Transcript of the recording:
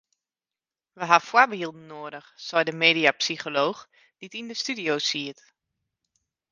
We ha foarbylden noadich sei de mediapsycholooch dy't yn de studio siet.